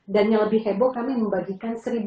dan yang lebih heboh kami membagikan seribu lima ratus orang